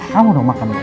kamu dong makan ya